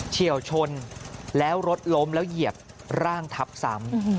เฉียวชนแล้วรถล้มแล้วเหยียบร่างทับซ้ำ